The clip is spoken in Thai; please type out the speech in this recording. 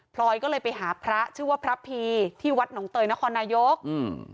พลอยก็เลยไปหาพระชื่อว่าพระพีที่วัดหนองเตยนครนายกอืม